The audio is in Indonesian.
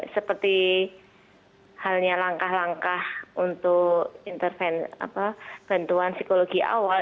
seperti halnya langkah langkah untuk bantuan psikologi awal